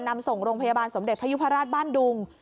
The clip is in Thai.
นำส่งโรงพยาบาลสมเด็จพยุพราชบ้านดุง